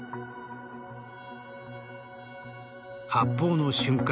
発砲の瞬間